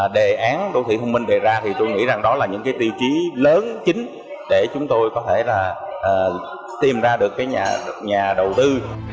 đề án đô thị thông minh đề ra thì tôi nghĩ rằng đó là những cái vị trí lớn chính để chúng tôi có thể là tìm ra được cái nhà đầu tư